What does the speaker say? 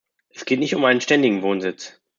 Es geht nicht um einen ständigen Wohnsitz.